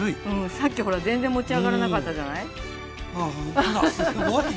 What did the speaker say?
さっきほら全然持ち上がらなかったじゃない。